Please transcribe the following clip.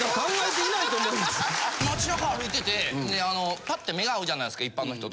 街中歩いててパッて目が合うじゃないですか一般の人と。